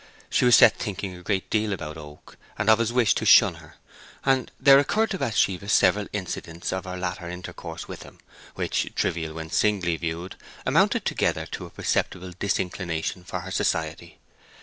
She was set thinking a great deal about Oak and of his wish to shun her; and there occurred to Bathsheba several incidents of her latter intercourse with him, which, trivial when singly viewed, amounted together to a perceptible disinclination for her society.